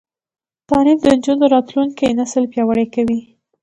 تعلیم د نجونو راتلونکی نسل پیاوړی کوي.